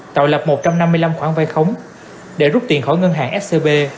tạo lập một trăm năm mươi năm khoản vay khống để rút tiền khỏi ngân hàng scb